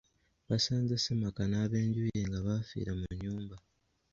Basanze ssemaka n'ab'enju ye nga baafiira mu nnyumba.